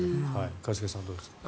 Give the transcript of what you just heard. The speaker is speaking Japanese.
一茂さん、どうですか？